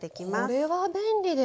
これは便利ですね。